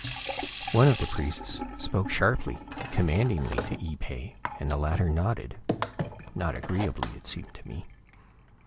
One of the priests spoke sharply, commandingly, to Ee pay, and the latter nodded not agreeably it seemed to me.